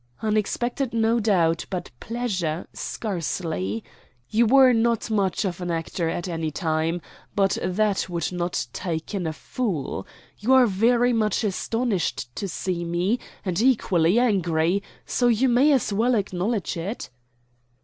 "Unexpected, no doubt; but pleasure, scarcely. You were not much of an actor at any time; but that would not take in a fool. You are very much astonished to see me, and equally angry; so you may as well acknowledge it."